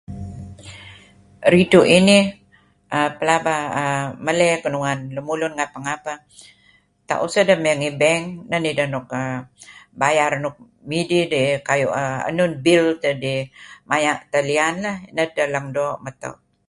Ridtu' inih[err] pelaba err meley kenuan lemulun ngapeh-ngapeh , tak useh deh mey ngi bank neh nideh bayar nuk midih dih kayu' err enun bill dedih maya' talian lah, neh edtah lang doo' meto'.